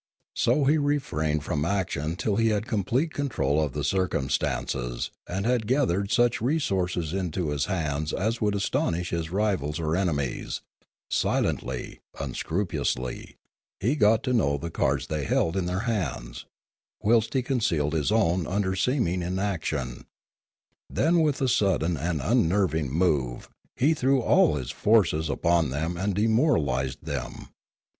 So he refrained from action till he had com plete control of the circumstances and had gathered such resources into his hands as would astonish his rivals or enemies; silently, unscrupulously, he got to know the cards they held in their hands, whilst he con cealed his own under seeming inaction; then with a sudden and unnerving move he threw all his forces upon them and demoralised them.